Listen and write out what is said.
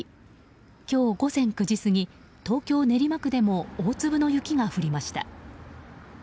今日午前９時過ぎ東京・練馬区でも大粒の雪が降りました。